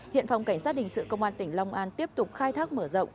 hiện phòng cảnh sát hình sự công an tỉnh long an tiếp tục khai thác mở rộng